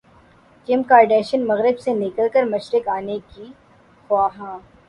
کم Kardashian مغرب سے نکل کر مشرق انے کی خواہاں